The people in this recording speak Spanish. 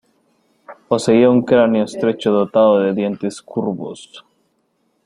Poseía un cráneo estrecho dotado de dientes curvos.